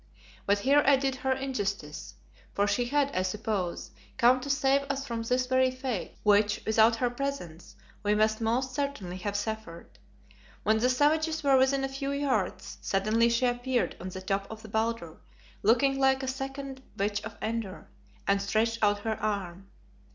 But here I did her injustice, for she had, I suppose, come to save us from this very fate which without her presence we must most certainly have suffered. When the savages were within a few yards suddenly she appeared on the top of the boulder, looking like a second Witch of Endor, and stretched out her arm.